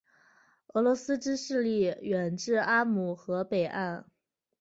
俄罗斯之势力远至阿姆河北岸。